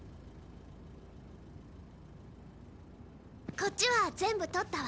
こっちは全部取ったわ。